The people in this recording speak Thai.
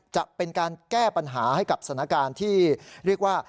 จะเป็นการแก้ปัญหาให้กับสถานการณ์ที่เรียกว่า